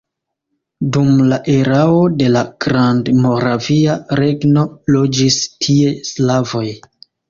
Dum la erao de la Grandmoravia Regno loĝis tie slavoj.